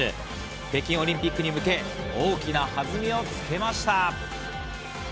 北京オリンピックに向け大きな弾みをつけました。